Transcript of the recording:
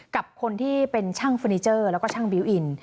กับคนที่เป็นช่างเฟอร์นิเจอร์แล้วก็ช่างบิวตอิน